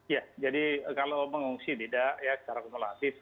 ya jadi kalau mengungsi tidak ya secara kumulatif